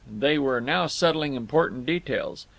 They were now settling important details.